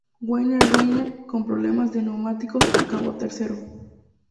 Wayne Rainey, con problemas de neumáticos, acabó tercero.